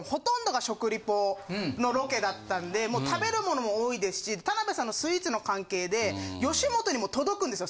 のロケだったんでもう食べる物も多いですし田辺さんのスイーツの関係で吉本にも届くんですよ。